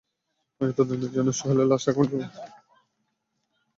ময়নাতদন্তের জন্য সোহেলের লাশ ঢাকা মেডিকেল কলেজ হাসপাতালের মর্গে পাঠানো হচ্ছে।